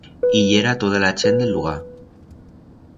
I yera toda la chent d'el lugar.